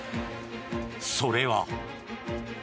それは。